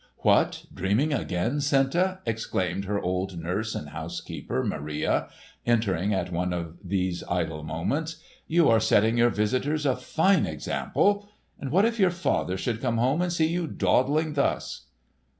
"What, dreaming again, Senta?" exclaimed her old nurse and housekeeper, Maria, entering at one of these idle moments. "You are setting your visitors a fine example! And what if your father should come home and see you dawdling thus?"